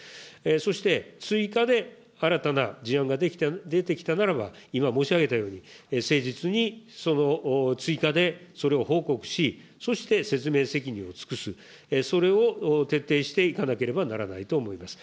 そして、追加で新たな事案が出てきたならば、今申し上げたように、誠実にその追加でそれを報告し、そして説明責任を尽くす、それを徹底していかなければならないと思います。